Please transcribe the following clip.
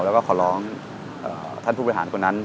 แล้วก็ขอร้องท่านผู้บริหารคนนั้น